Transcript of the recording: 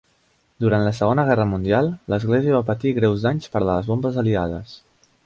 Durant la Segona Guerra Mundial l'església va patir greus danys per les bombes aliades.